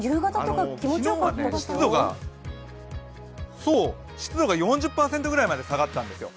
昨日は湿度が４０％ぐらいまで下がったんですよ。